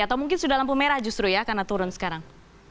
atau mungkin sudah lampu merah justru ya karena turun sekarang